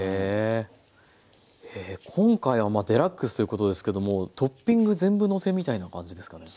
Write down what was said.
今回はデラックスということですけどもトッピング全部のせみたいな感じですかね？